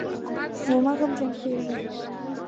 نو مه غمجن کېږئ